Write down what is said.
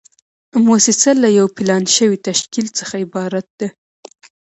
موسسه له یو پلان شوي تشکیل څخه عبارت ده.